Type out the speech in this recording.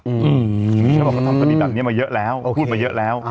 พี่ว่าผมทำคสดีดับนี้มาเยอะแล้วพูดมาเยอะแล้ว